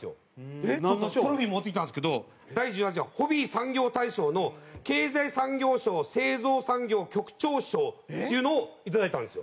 トロフィー持ってきたんですけど第１８回ホビー産業大賞の経済産業省製造産業局長賞っていうのをいただいたんですよ。